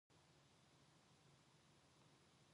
사람은 가는 곳마다 보는 것마다 모두 스승으로서 배울 것이 많은 법이다.